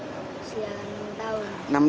usia enam tahun